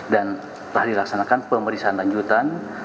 dan telah dilaksanakan pemeriksaan lanjutan